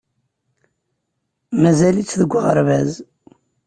Mazal-itt deg uɣerbaz.